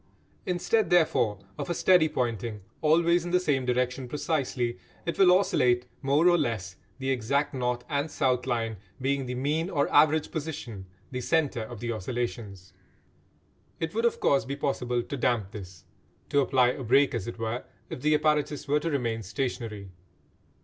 Instead, therefore, of a steady pointing, always in the same direction precisely, it will oscillate more or less, the exact north and south line being the mean or average position, the centre of the oscillations. It would of course be possible to damp this, to apply a break as it were, if the apparatus were to remain stationary.